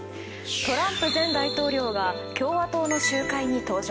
トランプ前大統領が共和党の集会に登場。